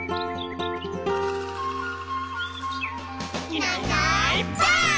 「いないいないばあっ！」